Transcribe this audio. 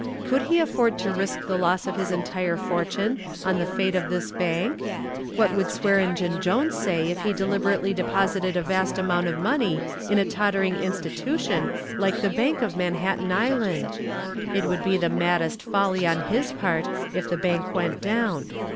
Could he afford to risk the loss of his entire fortune on the fate of this bank? What would Swearengen Jones say if he deliberately deposited a vast amount of money in a tottering institution like the Bank of Manhattan Island? It would be the maddest folly on his part if the bank went down.